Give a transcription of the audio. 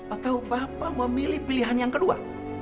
atau bapak memilih pilihan yang kedua